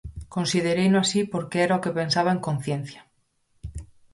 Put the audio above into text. Considereino así porque era o que pensaba en conciencia.